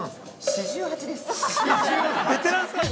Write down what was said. ◆４８です。